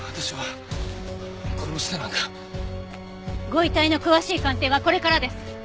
ご遺体の詳しい鑑定はこれからです。